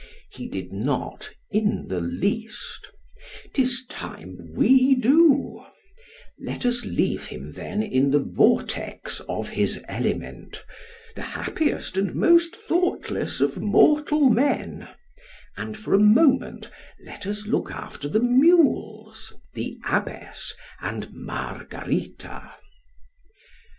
he did not in the least—'tis time we do; let us leave him then in the vortex of his element, the happiest and most thoughtless of mortal men—and for a moment let us look after the mules, the abbess, and _Margarita.